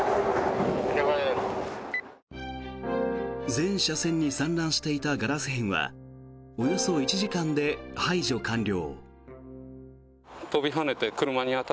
全車線に散乱していたガラス片はおよそ１時間で排除完了。